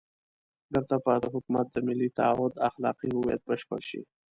بېرته به د حکومت د ملي تعهُد اخلاقي هویت بشپړ شي.